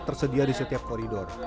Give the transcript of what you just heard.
tersedia di setiap koridor